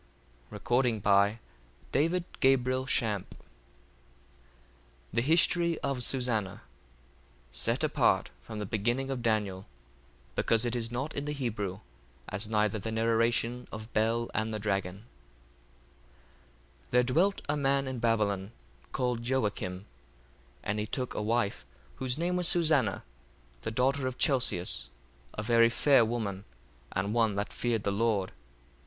The Book of Susanna [in Daniel] [The History of Susanna [in Daniel]] Set apart from the beginning of Daniel, because it is not in the Hebrew, as neither the Narration of Bel and the Dragon. 1:1 There dwelt a man in Babylon, called Joacim: 1:2 And he took a wife, whose name was Susanna, the daughter of Chelcias, a very fair woman, and one that feared the Lord.